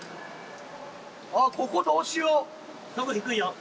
あっここどうしよう？